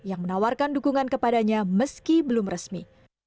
yang menawarkan dukungan kepadanya meski belum resmi